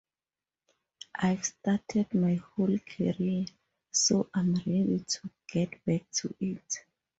I've started my whole career so I'm ready to get back to it.